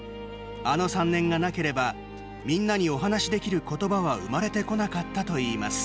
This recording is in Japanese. あの３年がなければみんなにお話しできる言葉は生まれてこなかったといいます。